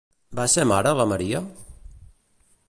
Va ser mare la María?